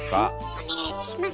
お願いします。